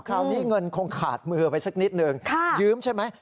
คราวนี้เงินคงขาดมือไปสักนิดนึงยืมใช่ไหม